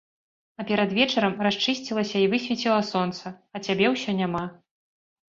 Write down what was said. А перад вечарам расчысцілася і высвеціла сонца, а цябе ўсё няма.